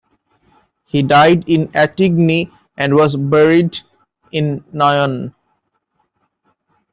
He died in Attigny and was buried in Noyon.